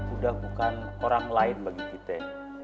udah bukan orang lain bagi kita